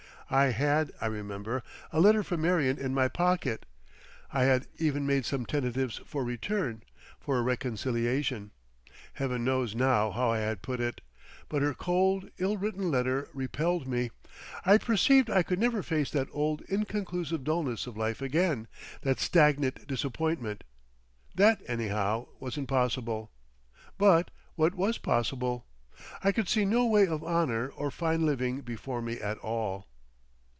I had. I remember, a letter from Marion in my pocket. I had even made some tentatives for return, for a reconciliation; Heaven knows now how I had put it! but her cold, ill written letter repelled me. I perceived I could never face that old inconclusive dullness of life again, that stagnant disappointment. That, anyhow, wasn't possible. But what was possible? I could see no way of honour or fine living before me at all.